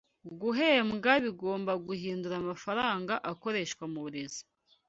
guhembwa bigomba guhindura amafaranga akoreshwa mu burezi